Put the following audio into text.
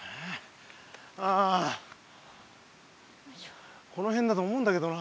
ああこのへんだと思うんだけどなあ。